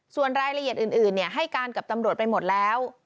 ส่วนรายละเอียดอื่นให้การกับตำรวจไปหมดแล้ว